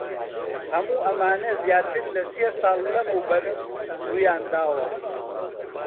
هەموو ئەمانە زیاتر لە سێ ساڵ لەمەوبەر ڕوویان داوە.